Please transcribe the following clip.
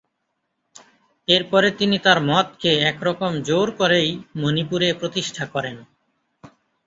এরপর তিনি তার মতকে একরকম জোর করেই মণিপুরে প্রতিষ্ঠা করেন।